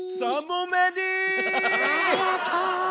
ありがと！